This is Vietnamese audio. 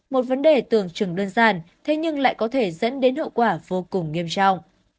một vấn đề tưởng chừng đơn giản thế nhưng lại có thể dẫn đến hậu quả vô cùng nghiêm trọng